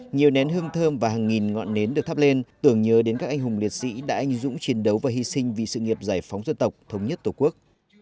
nhiều nén hương thơm và hàng nghìn ngọn nến được thắp lên tưởng nhớ đến các anh hùng liệt sĩ đã anh dũng chiến đấu và hy sinh vì sự nghiệp giải phóng dân tộc thống nhất tổ quốc